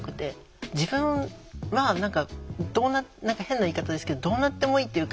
自分は何か変な言い方ですけどどうなってもいいっていうか。